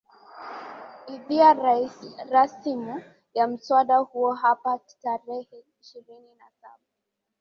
idhia rasimu ya mswada huo hapo tarehe ishirini na saba